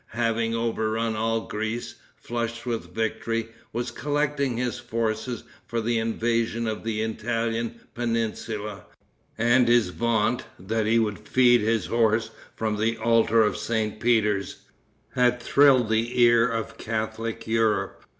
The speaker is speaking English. having overrun all Greece, flushed with victory, was collecting his forces for the invasion of the Italian peninsula, and his vaunt, that he would feed his horse from the altar of St. Peters, had thrilled the ear of Catholic Europe.